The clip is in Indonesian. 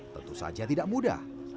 tentu saja tidak mudah